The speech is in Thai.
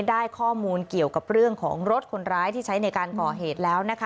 ได้ข้อมูลเกี่ยวกับเรื่องของรถคนร้ายที่ใช้ในการก่อเหตุแล้วนะคะ